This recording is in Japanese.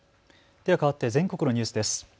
ではかわって全国のニュースです。